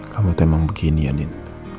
kamu emang begini ya din